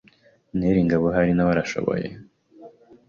Nel Ngabo hari nawe arashoboye